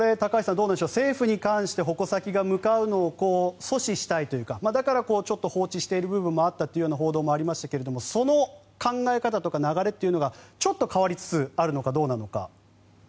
どうでしょう政府に関して矛先が向かうのを阻止したいというかだから、ちょっと放置しているところもあるというような報道もありましたがその考え方とか流れがちょっと変わりつつあるのかどうなのか。